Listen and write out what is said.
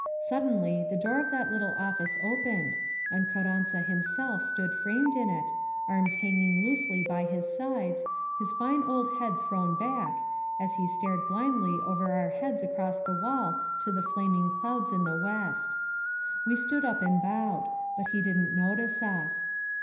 Suddenly the door of that little office opened, and Carranza him self stood framed in it, arms hanging loosely by his sides, his fine old head thrown back, as he stared blind ly over our heads across the wall to the flaming clouds in the west. We stood up and bowed, but he didn't notice us.